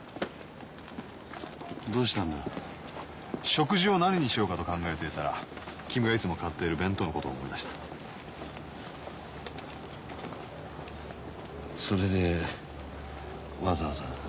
食事を何にしようかと考えていたら君がいつも買っている弁当のことを思い出したそれでわざわざ？